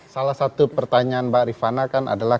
salah satu pertanyaan mbak rifana kan adalah